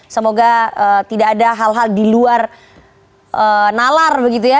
semoga tidak ada hal hal diluar nalar begitu ya